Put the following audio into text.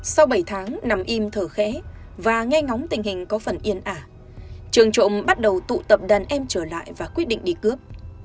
sau bảy tháng nằm im thở khẽ và nghe ngóng tình hình có phần yên ả trường trộm bắt đầu tụ tập đàn em trở lại và quyết định đi cướp